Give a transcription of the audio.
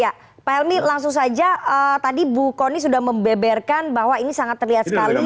ya pak helmi langsung saja tadi bu kony sudah membeberkan bahwa ini sangat terlihat sekali